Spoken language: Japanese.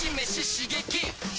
刺激！